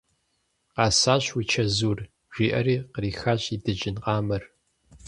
Къэсащ уи чэзур! – жиӏэри кърихащ и дыжьын къамэр.